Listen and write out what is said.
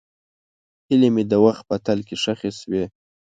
هیلې مې د وخت په تل کې ښخې شوې.